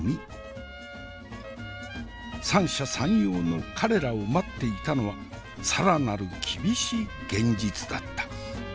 三者三様の彼らを待っていたのは更なる厳しい現実だった。